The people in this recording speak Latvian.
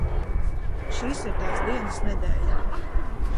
Šīs ir tās dienas nedēļā.